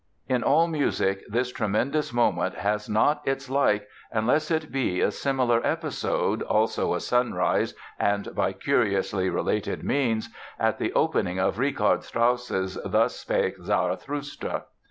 In all music this tremendous moment has not its like unless it be a similar episode—also a sunrise and by curiously related means—at the opening of Richard Strauss's "Thus Spake Zarathustra".